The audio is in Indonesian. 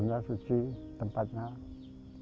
ibadah itu pertama kan tempatnya batasnya